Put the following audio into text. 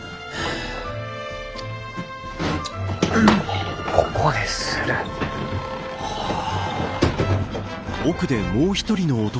あここで刷る。はあ。